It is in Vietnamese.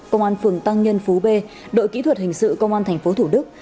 công an phường tăng nhân phú b đội kỹ thuật hình sự công an tp thủ đức